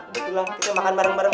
nah betul lah kita makan bareng bareng